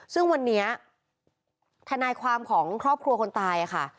ซึ่งวันนี้ทนายความของครอบครัวคนตายค่ะ